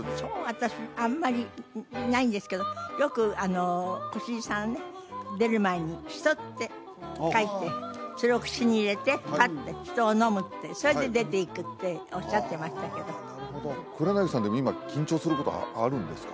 私あんまりないんですけどよく越路さんがね出る前にそれを口に入れてパッて人をのむってそれで出ていくっておっしゃってましたけど黒柳さんでも今緊張することあるんですか？